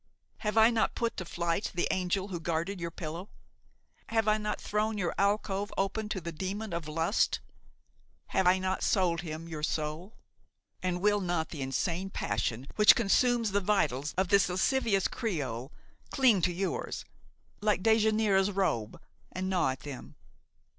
Have I not put to flight the angel who guarded your pillow? Have I not thrown your alcove open to the demon of lust? Have I not sold him your soul? And will not the insane passion which consumes the vitals of this lascivious creole cling to yours, like Dejanira's robe and gnaw at them!